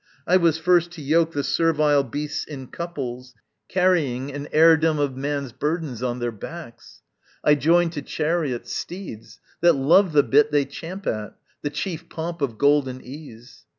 I was first to yoke The servile beasts in couples, carrying An heirdom of man's burdens on their backs. I joined to chariots, steeds, that love the bit They champ at the chief pomp of golden ease.